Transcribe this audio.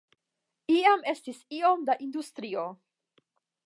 Iam estis iom da industrio.